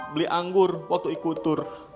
beli anggur waktu ikutur